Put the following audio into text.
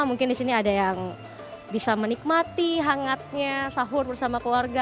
mungkin di sini ada yang bisa menikmati hangatnya sahur bersama keluarga